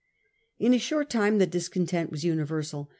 68 69. In a short time the discontent was universal.